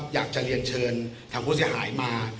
อยากจะเรียนเชิญทางผู้เสียหายมา